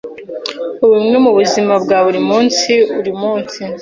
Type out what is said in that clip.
ubumwe mu buzima bwa buri munsi uri munsi -